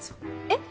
えっ？